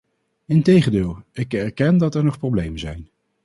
Integendeel, ik erken dat er nog problemen zijn.